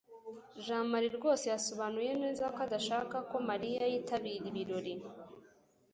jamali rwose yasobanuye neza ko adashaka ko mariya yitabira ibirori